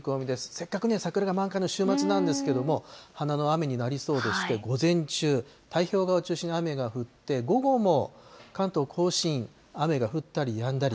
せっかくね、桜が満開の週末なんですけれども、花の雨になりそうでして、午前中、太平洋側を中心に雨が降って、午後も関東甲信、雨が降ったりやんだり。